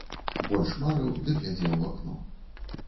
Больш марыў ды глядзеў у акно.